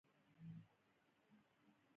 زده کړه د نجونو د لیکلو مهارتونه پیاوړي کوي.